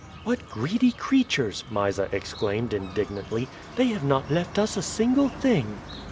"What greedy creatures!" Mysa exclaimed indignantly; "they have not left us a single thing."